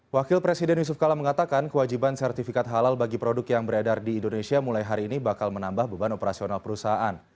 wakil presiden yusuf kala mengatakan kewajiban sertifikat halal bagi produk yang beredar di indonesia mulai hari ini bakal menambah beban operasional perusahaan